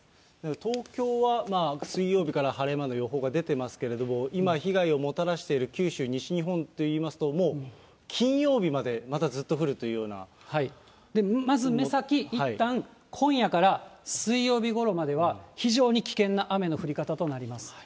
東京は水曜日から晴れマークの予報が出てますけれども、今、被害をもたらしている九州、西日本といいますと、もう金曜日まで、まず目先、いったん今夜から水曜日ごろまでは、非常に危険な雨の降り方となります。